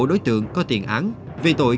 đối tượng có tiền án vì tội